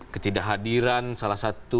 ketidakhadiran salah satu